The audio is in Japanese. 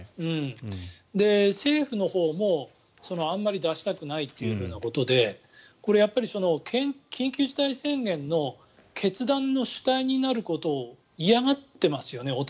政府のほうもあんまり出したくないというふうなことでこれは緊急事態宣言の決断の主体になることを嫌がっていますよね。